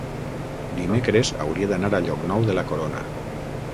Dimecres hauria d'anar a Llocnou de la Corona.